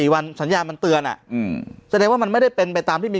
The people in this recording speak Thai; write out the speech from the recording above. วันสัญญามันเตือนแสดงว่ามันไม่ได้เป็นไปตามที่มี